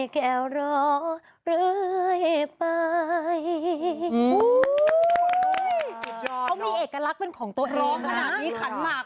เขามีเอกลักษณ์เป็นของตัวเองนะ